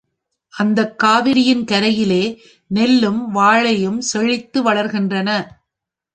அந்தக் காவிரியின் கரையிலே நெல்லும் வாழையும் செழித்து வளர்கின்றன.